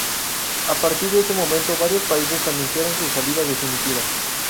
A partir de ese momento varios países anunciaron su salida definitiva.